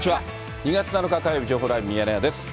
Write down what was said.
２月７日火曜日、情報ライブミヤネ屋です。